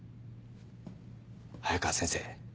早川先生